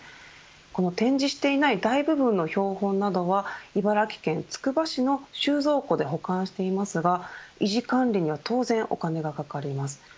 この展示していない大部分の標本などは茨城県つくば市の収蔵庫で保管していますが維持管理には当然、お金がかかります。